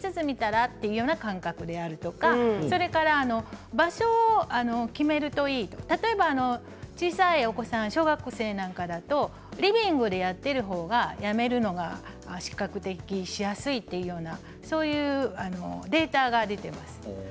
そういう感覚でやるとか場所を決めるといいと例えば小さいお子さん小学生なんかだとリビングでやっている方がやめるのが比較的しやすいというようなそういうデータが出ています。